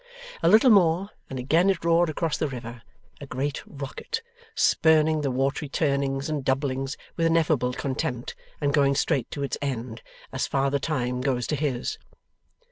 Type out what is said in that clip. A little more, and again it roared across the river, a great rocket: spurning the watery turnings and doublings with ineffable contempt, and going straight to its end, as Father Time goes to his.